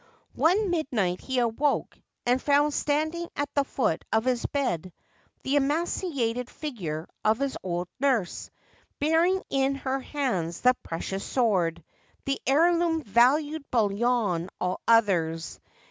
One midnight he awoke and found standing at the foot of his bed the emaciated figure of his old nurse, bearing in her hands the precious sword, the heirloom valued beyond all others.